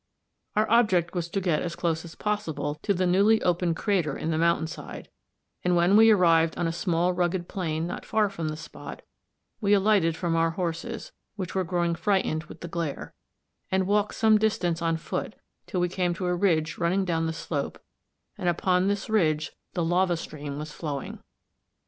Our object was to get as close as possible to the newly opened crater in the mountain side, and when we arrived on a small rugged plain not far from the spot, we alighted from our horses, which were growing frightened with the glare, and walked some distance on foot till we came to a ridge running down the slope, and upon this ridge the lava stream was flowing.